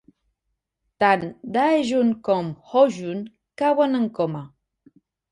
Tant Dae-jun com Ho-jun cauen en coma.